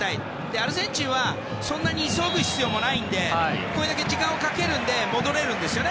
アルゼンチンはそんなに急ぐ必要もないんでこれだけ時間をかけるんで戻れるんですよね